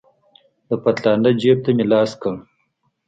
د پتلانه جيب ته مې لاس کړ.